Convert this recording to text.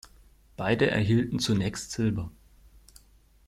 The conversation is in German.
Beide erhielten zunächst Silber.